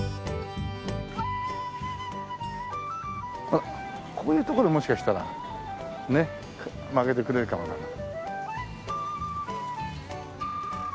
あっこういうところもしかしたらねまけてくれるかもだから。